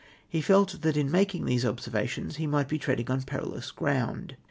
He felt that in making these observations he might be tread ing on perilous ground.